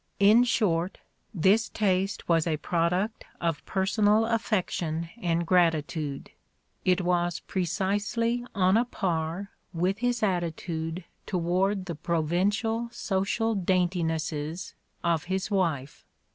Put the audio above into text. In short, this taste was a product of personal affection and gratitude; it was precisely on a par with his attitude toward the pro vincial social daintinesses of his wife.